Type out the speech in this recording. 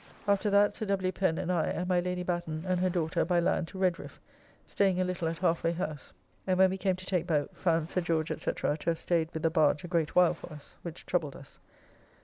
After that Sir W. Pen and I and my Lady Batten and her daughter by land to Redriffe, staying a little at halfway house, and when we came to take boat, found Sir George, &c., to have staid with the barge a great while for us, which troubled us.